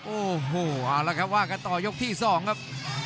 โอ้โหเอาละครับว่ากันต่อยกที่๒ครับ